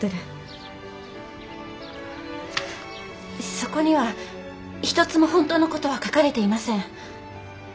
そこには一つも本当の事は書かれていません。